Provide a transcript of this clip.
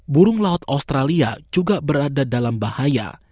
burung laut australia juga berada dalam bahaya